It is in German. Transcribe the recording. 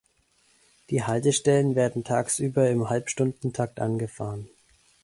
Die Haltestellen werden tagsüber im Halbstundentakt angefahren.